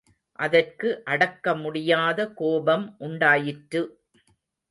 அதற்கு அடக்க முடியாத கோபம் உண்டாயிற்று.